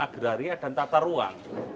agraria dan tata ruang